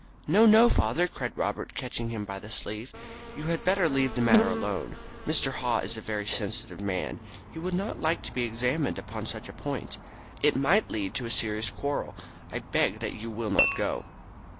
"No, no, father," cried Robert, catching him by the sleeve. "You had better leave the matter alone. Mr. Haw is a very sensitive man. He would not like to be examined upon such a point. It might lead to a serious quarrel. I beg that you will not go."